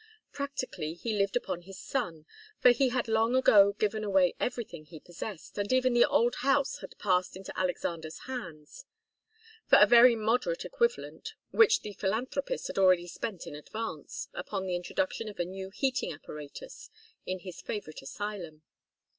Practically he lived upon his son, for he had long ago given away everything he possessed, and even the old house had passed into Alexander's hands for a very moderate equivalent, which the philanthropist had already spent in advance upon the introduction of a new heating apparatus in his favourite asylum.